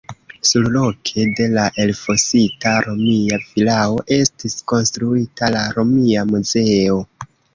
Surloke de la elfosita romia vilao estis konstruita la romia muzeo.